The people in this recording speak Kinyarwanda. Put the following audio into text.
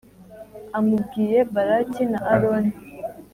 amubwiye Balaki na aloni